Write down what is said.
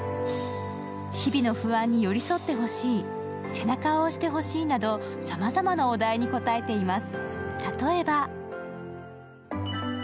日々の不安に寄り添ってほしい、背中を押してほしい、さまざまなお題に応えています。